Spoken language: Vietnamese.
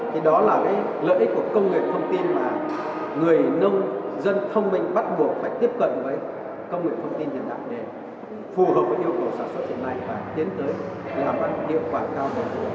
thì đó là cái lợi ích của công nghệ thông tin mà người nông dân thông minh bắt buộc phải tiếp cận với công nghệ thông tin hiện đại để phù hợp với yêu cầu sản xuất hiện nay và tiến tới làm được điều khoản cao đầy đủ